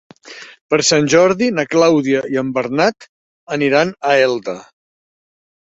Per Sant Jordi na Clàudia i en Bernat aniran a Elda.